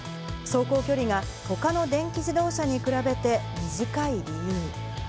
走行距離が、ほかの電気自動車に比べて短い理由。